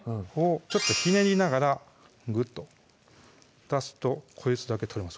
ちょっとひねりながらグッと出すとこいつだけ取れます